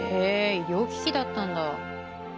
医療機器だったんだ。